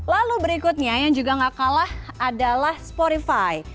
lalu berikutnya yang juga gak kalah adalah spotify